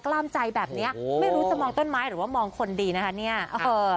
กล้ามใจแบบเนี้ยไม่รู้จะมองต้นไม้หรือว่ามองคนดีนะคะเนี่ยเออ